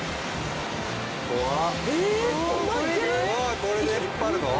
これで引っ張るの？